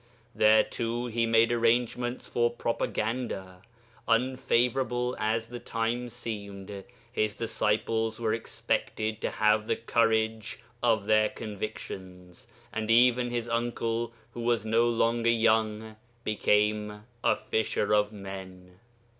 There too he made arrangements for propaganda. Unfavourable as the times seemed, his disciples were expected to have the courage of their convictions, and even his uncle, who was no longer young, became a fisher of men.